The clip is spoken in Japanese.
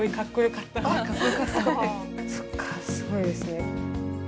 そっかすごいですね。